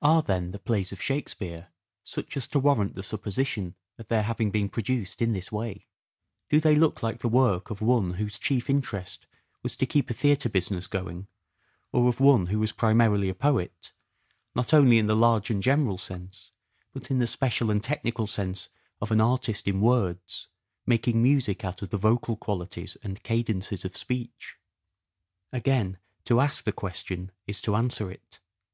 Are, then, the plays of Shakespeare such as to warrant the supposition of their having been produced in this way ? Do they look like the work of one whose chief interest was to keep a theatre business going, or of one who was primarily a poet, not only in the large and general sense, but in the special and technical sense of an artist in words, making music out of the vocal qualities and cadences of speech ? Again, to ask the question is to answer it.